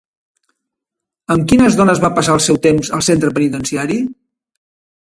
Amb quines dones va passar el seu temps al centre penitenciari?